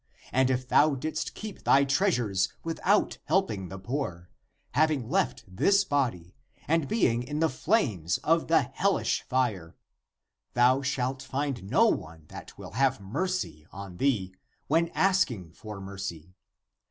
and if thou didst keep thy treasures without helping the poor, having left this body and being in the flames of the (hellish) fire, thou shalt find no one that will have mercy on thee when asking 'for mercy.